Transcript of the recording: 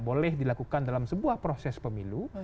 boleh dilakukan dalam sebuah proses pemilu